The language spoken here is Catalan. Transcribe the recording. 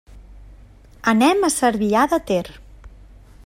Anem a Cervià de Ter.